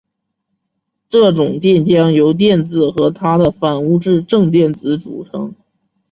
这种电浆由电子和它的反物质正电子组成。